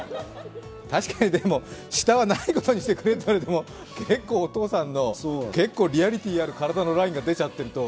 確かに、下はないことにしてくれと言われても、お父さんのリアリティーある体のラインが出ちゃっていると。